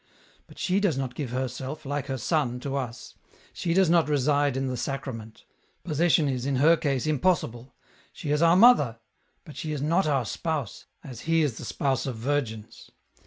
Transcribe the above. But she does not give herselt, like her Son, to us ; she does not reside in the Sacrament ; possession is in her case impossible , she is our Mother, but she is not our Spouse, as he is the Spouse oi virgins.